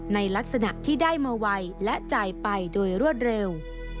ในลักษณะที่ได้มาไวและจ่ายไปโดยรวดเร็ว